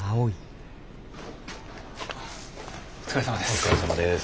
お疲れさまです。